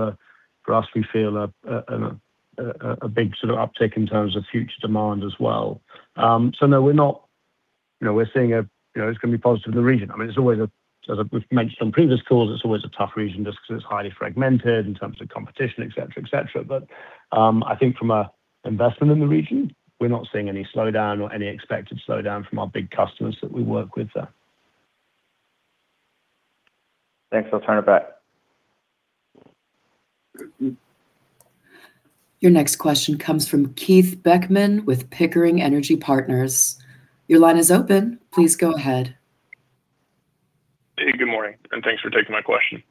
for us, we feel a big sort of uptick in terms of future demand as well. No, we're seeing it's going to be positive in the region. As we've mentioned on previous calls, it's always a tough region just because it's highly fragmented in terms of competition, et cetera. I think from an investment in the region, we're not seeing any slowdown or any expected slowdown from our big customers that we work with there.
Thanks. I'll turn it back.
Your next question comes from Keith Beckmann with Pickering Energy Partners. Your line is open. Please go ahead.
Good morning, and thanks for taking my question.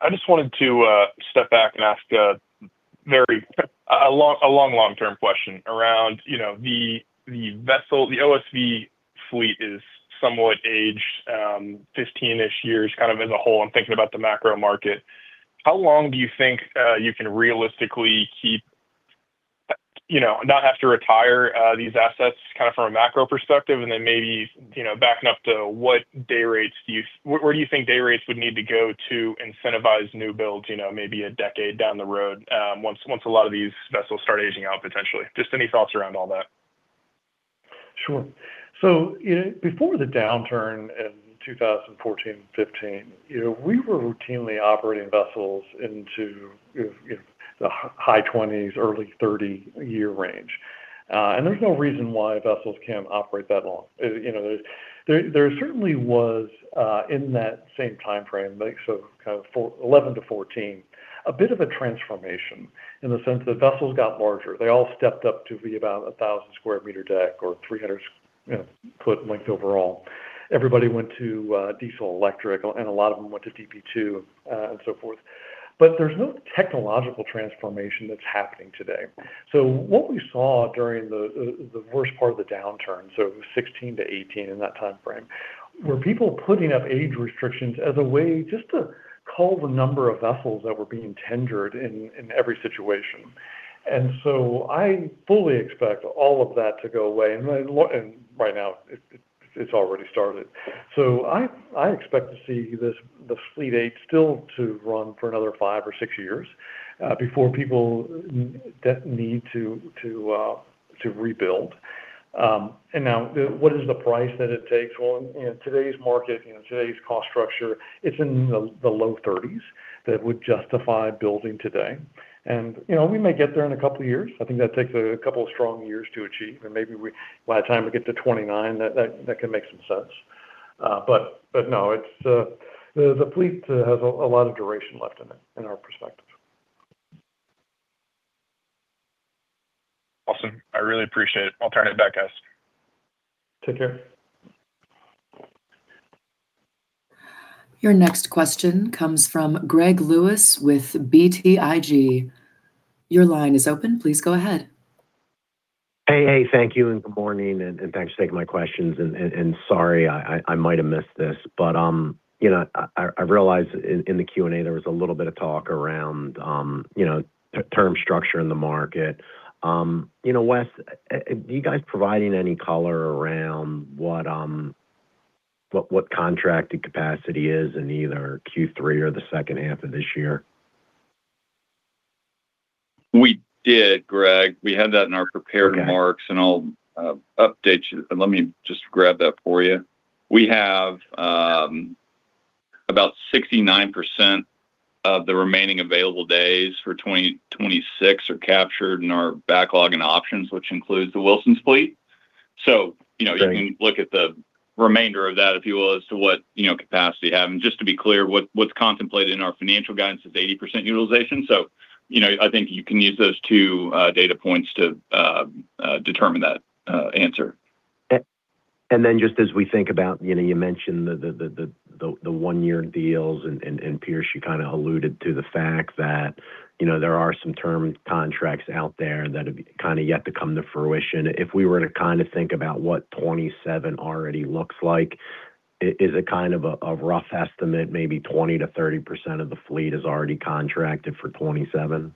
I just wanted to step back and ask a very long, long-term question around the OSV fleet is somewhat aged 15-ish years as a whole. I am thinking about the macro market. How long do you think you can realistically not have to retire these assets from a macro perspective? Then maybe backing up to where do you think day rates would need to go to incentivize new builds maybe a decade down the road once a lot of these vessels start aging out potentially? Just any thoughts around all that.
Sure. Before the downturn in 2014 and 2015, we were routinely operating vessels into the high 20s, early 30-year range. There is no reason why vessels cannot operate that long. There certainly was, in that same timeframe, 2011 to 2014, a bit of a transformation in the sense that vessels got larger. They all stepped up to be about 1,000 square meter deck or 300 foot length overall. Everybody went to diesel-electric, and a lot of them went to DP2, and so forth. There is no technological transformation that is happening today. What we saw during the worst part of the downturn, 2016 to 2018, in that timeframe, were people putting up age restrictions as a way just to cull the number of vessels that were being tendered in every situation. I fully expect all of that to go away. Right now, it has already started. I expect to see the fleet age still to run for another five or six years before people need to rebuild. Now, what is the price that it takes? Well, in today's market, today's cost structure, it is in the low $30s that would justify building today. We may get there in a couple of years. I think that takes a couple of strong years to achieve, and maybe by the time we get to 2029, that can make some sense. No, the fleet has a lot of duration left in it, in our perspective.
Awesome. I really appreciate it. I will turn it back, guys.
Take care.
Your next question comes from Greg Lewis with BTIG. Your line is open. Please go ahead.
Hey, thank you, good morning, and thanks for taking my questions. Sorry, I might have missed this, but I realize in the Q&A, there was a little bit of talk around term structure in the market. West, are you guys providing any color around what contracted capacity is in either Q3 or the second half of this year?
We did, Greg. We have that in our prepared remarks, I'll update you. Let me just grab that for you. We have about 69% of the remaining available days for 2026 are captured in our backlog and options, which includes the Wilson's fleet.
Great
you can look at the remainder of that, if you will, as to what capacity we have. Just to be clear, what's contemplated in our financial guidance is 80% utilization. I think you can use those two data points to determine that answer.
Just as we think about, you mentioned the one-year deals, and Piers, you kind of alluded to the fact that there are some term contracts out there that have kind of yet to come to fruition. If we were to kind of think about what 2027 already looks like, is a kind of a rough estimate, maybe 20%-30% of the fleet is already contracted for 2027?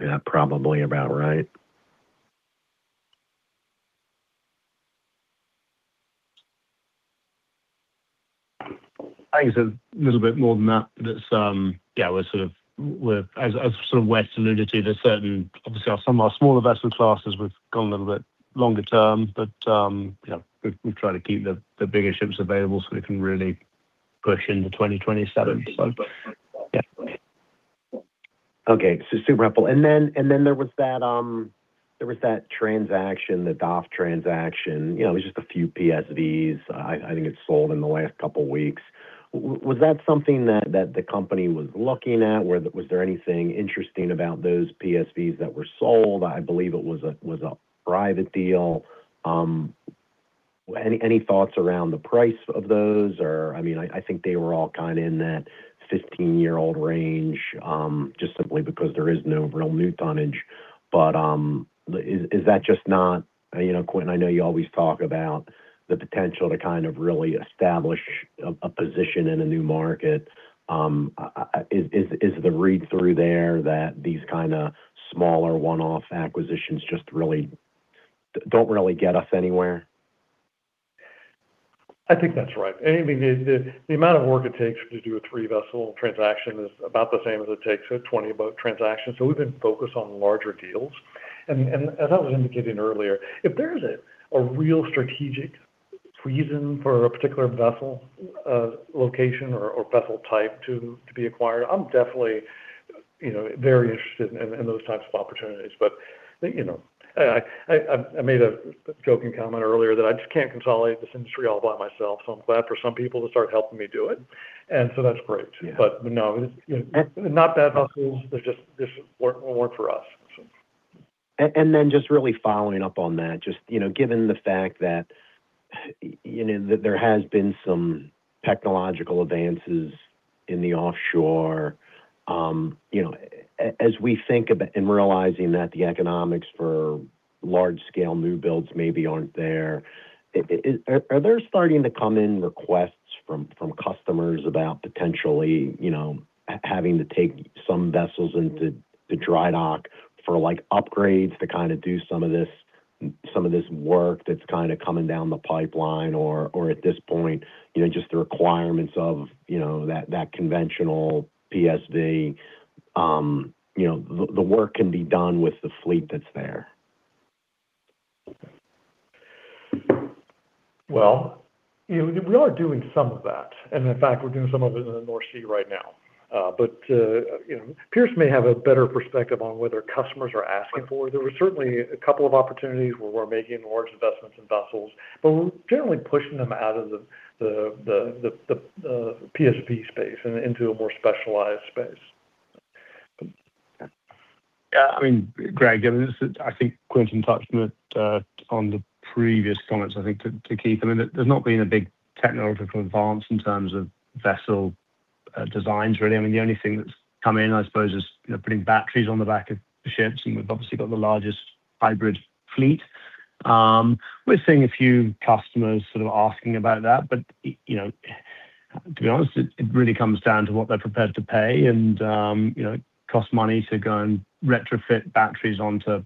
Is that probably about right?
I think it's a little bit more than that. As sort of West alluded to, obviously some of our smaller vessel classes, we've gone a little bit longer term. We try to keep the bigger ships available so we can really push into 2027. Yeah.
Okay. Super helpful. There was that transaction, the DOF transaction. It was just a few PSVs. I think it sold in the last couple of weeks. Was that something that the company was looking at? Was there anything interesting about those PSVs that were sold? I believe it was a private deal. Any thoughts around the price of those? I think they were all in that 15-year-old range, just simply because there is no real new tonnage. Is that just not Quintin, I know you always talk about the potential to really establish a position in a new market. Is the read-through there that these kind of smaller one-off acquisitions just don't really get us anywhere?
I think that's right. The amount of work it takes to do a three-vessel transaction is about the same as it takes a 20-boat transaction. We've been focused on larger deals. As I was indicating earlier, if there's a real strategic reason for a particular vessel location or vessel type to be acquired, I'm definitely very interested in those types of opportunities. I made a joking comment earlier that I just can't consolidate this industry all by myself, I'm glad for some people to start helping me do it, that's great.
Yeah.
No, not that helpful. They're just, this won't work for us.
Just really following up on that, just given the fact that there has been some technological advances in the offshore, as we think about and realizing that the economics for large-scale new builds maybe aren't there, are there starting to come in requests from customers about potentially having to take some vessels into dry dock for upgrades to do some of this work that's coming down the pipeline or, at this point, just the requirements of that conventional PSV, the work can be done with the fleet that's there?
Well, we are doing some of that, in fact, we're doing some of it in the North Sea right now. Piers may have a better perspective on whether customers are asking for it. There were certainly a couple of opportunities where we're making large investments in vessels, but we're generally pushing them out of the PSV space and into a more specialized space.
Greg, I think Quintin touched on the previous comments, I think, to Keith. There's not been a big technological advance in terms of vessel designs, really. The only thing that's come in, I suppose, is putting batteries on the back of ships, and we've obviously got the largest hybrid fleet. We're seeing a few customers sort of asking about that. To be honest, it really comes down to what they're prepared to pay, and it costs money to go and retrofit batteries onto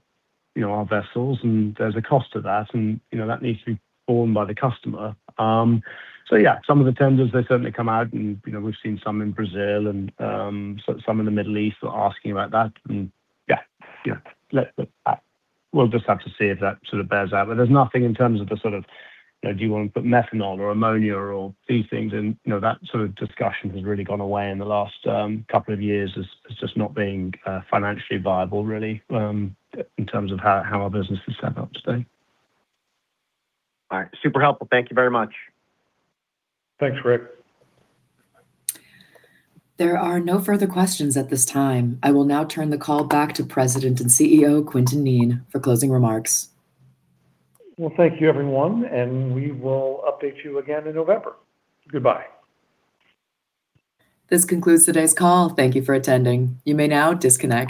our vessels, and there's a cost to that, and that needs to be borne by the customer. Yeah, some of the tenders, they certainly come out, and we've seen some in Brazil and some in the Middle East are asking about that, and yeah. We'll just have to see if that sort of bears out. There's nothing in terms of the sort of, do you want to put methanol or ammonia or these things in? That sort of discussion has really gone away in the last couple of years as just not being financially viable, really, in terms of how our business is set up today.
All right. Super helpful. Thank you very much.
Thanks, Greg.
There are no further questions at this time. I will now turn the call back to President and CEO, Quintin Kneen, for closing remarks.
Well, thank you everyone, and we will update you again in November. Goodbye.
This concludes today's call. Thank you for attending. You may now disconnect.